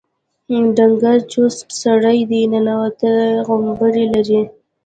ډنګر چوست سړی دی ننوتي غومبري لري.